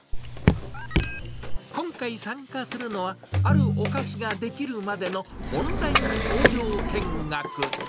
今回、参加するのはあるお菓子が出来るまでのオンライン工場見学。